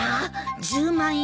１０万円？